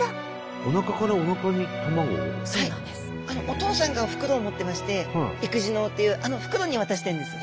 お父さんが袋を持ってまして育児嚢というあの袋に渡してるんです。